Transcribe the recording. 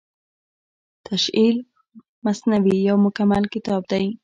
تشعيل المثنوي يو مکمل کتاب دی